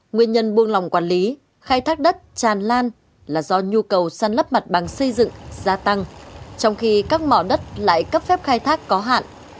nguyên nhân buông lòng quản lý khai thác đất tràn lan là do nhu cầu săn lấp mặt bằng xây dựng gia tăng trong khi các mỏ đất lại cấp phép khai thác có hạn